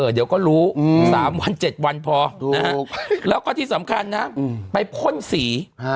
เดี๋ยวก็รู้๓วัน๗วันพอแล้วก็ที่สำคัญนะไปพ่นสี